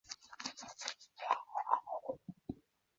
缅甸金丝猴分布于缅甸北部。